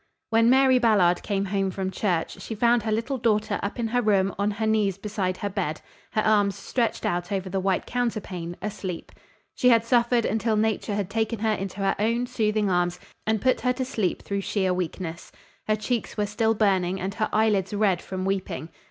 When Mary Ballard came home from church, she found her little daughter up in her room on her knees beside her bed, her arms stretched out over the white counterpane, asleep. She had suffered until nature had taken her into her own soothing arms and put her to sleep through sheer weakness. Her cheeks were still burning and her eyelids red from weeping.